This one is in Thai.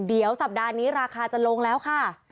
เดี๋ยวสัปดาห์นี้ราคาจะลงแล้วค่ะ